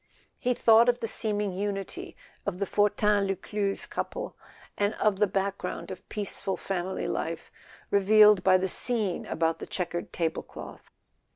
He thought of the seeming unity of the Fortin Lus cluze couple, and of the background of peaceful family life revealed by the scene about the checkered table¬ cloth.